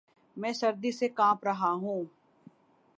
میں سردی سے کانپ رہا ہوں